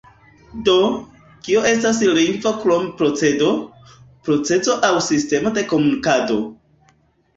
Do, kio estas lingvo krom procedo, procezo aŭ sistemo de komunikado?